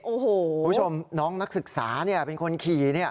โอ้โหคุณผู้ชมน้องนักศึกษาเป็นคนขี่นี่